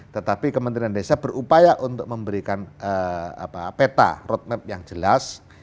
tetapi kementerian desa berupaya untuk memberikan peta roadmap yang jelas